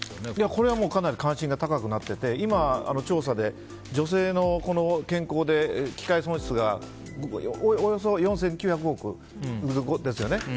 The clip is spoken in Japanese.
これはかなり関心が高くなっていて今、調査で女性の健康で機会損失がおよそ４９００億ですよね。